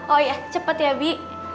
oh iya cepet ya bi